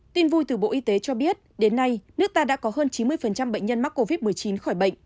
tin vui từ bộ y tế cho biết đến nay nước ta đã có hơn chín mươi bệnh nhân mắc covid một mươi chín khỏi bệnh